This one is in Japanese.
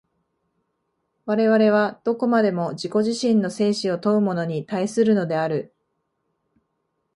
我々はどこまでも自己自身の生死を問うものに対するのである。